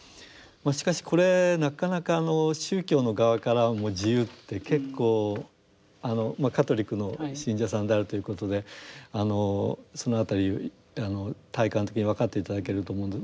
しかしこれなかなか宗教の側からも自由って結構あのカトリックの信者さんであるということであのその辺り体感的に分かって頂けると思うんで。